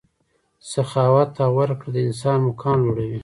سخاوت او ورکړه د انسان مقام لوړوي.